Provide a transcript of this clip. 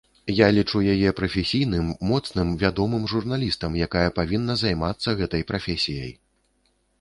Я лічу яе прафесійным, моцным, вядомым журналістам, якая павінна займацца гэтай прафесіяй.